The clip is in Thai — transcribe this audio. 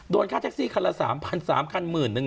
โดนฆ่าแท็กซี่คันละ๓๐๐๐๓๐๐๐คันหมื่นนึง